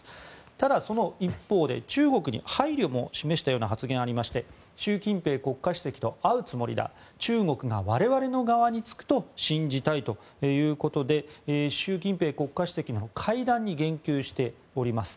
ただ、その一方で中国に配慮も示したような発言がありまして習近平国家主席と会うつもりだ中国が我々の側につくと信じたいということで習近平国家主席との会談に言及しております。